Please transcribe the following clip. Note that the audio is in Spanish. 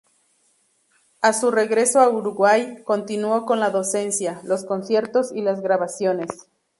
A su regreso a Uruguay continuó con la docencia, los conciertos y las grabaciones.